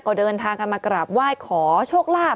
ก็เดินทางกันมากราบไหว้ขอโชคลาภ